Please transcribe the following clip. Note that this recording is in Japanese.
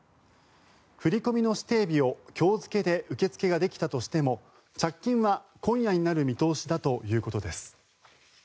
振り込みの指定日を今日付で受け付けができたとしても着金は今夜になる見通しだということです。